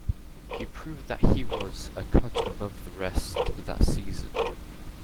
He proved that he was a cut above the rest that season.